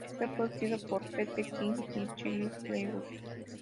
Fue producido por Pete King y Chris Lewis.